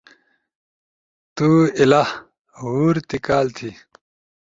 تو ایلا؟[ہور تی کال تھی]